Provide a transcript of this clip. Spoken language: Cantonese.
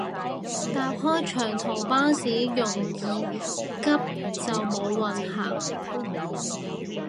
搭開長途巴士容易急就冇運行